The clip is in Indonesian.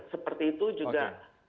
seperti itu juga